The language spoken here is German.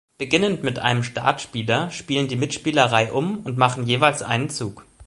Beginnend mit einem Startspieler spielen die Mitspieler reihum und machen jeweils einen Zug.